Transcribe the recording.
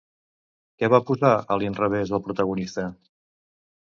Què va posar a l'inrevés el protagonista?